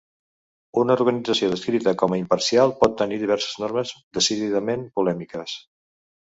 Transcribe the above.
Una organització descrita com a imparcial pot tenir diverses normes decididament polèmiques.